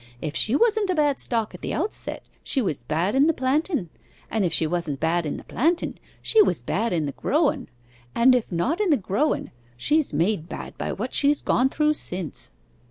If she wasn't of a bad stock at the outset she was bad in the planten, and if she wasn't bad in the planten, she was bad in the growen, and if not in the growen, she's made bad by what she's gone through since.